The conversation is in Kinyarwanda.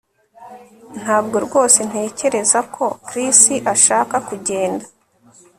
Ntabwo rwose ntekereza ko Chris ashaka kugenda